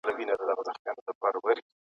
دې ورستو اوبو کي زه هم تباه کېږم ..